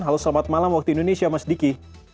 halo selamat malam waktu indonesia mas diki